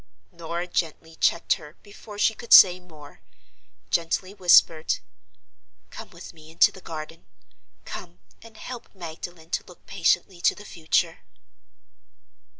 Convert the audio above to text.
Norah gently checked her before she could say more; gently whispered, "Come with me into the garden—come, and help Magdalen to look patiently to the future."